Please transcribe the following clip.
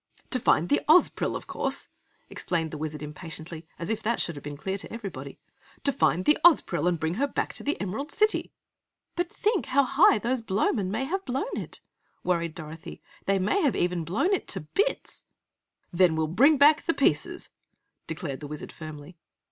"To find the Ozpril, of course!" explained the Wizard impatiently, as if that should have been clear to everybody! "To find the Ozpril and bring her back to the Emerald City!" "But think how high those Blowmen may have blown it?" worried Dorothy. "They may even have blown it to Bitz!" "Then we'll bring back the pieces," declared the Wizard, firmly.